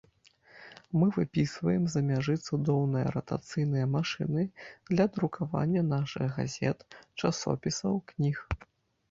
Мы выпісваем з-за мяжы цудоўныя ратацыйныя машыны для друкавання нашых газет, часопісаў, кніг.